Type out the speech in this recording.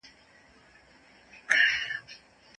خپل هدف ته په کلکه متوجه اوسه.